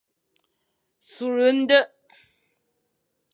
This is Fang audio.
Sughde ndekh.